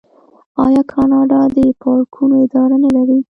آیا کاناډا د پارکونو اداره نلري؟